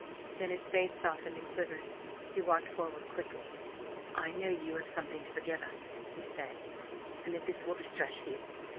Then his face softened and quivered. He walked forward quickly. "I know you have something to forgive us," he said, "and that this will distress you.